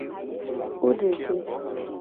Fudede.